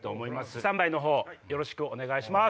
スタンバイのほうよろしくお願いします。